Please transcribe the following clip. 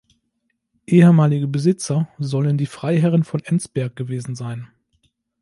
Ehemalige Besitzer sollen die Freiherren von Enzberg gewesen sein.